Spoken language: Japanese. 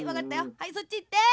はいそっちいって。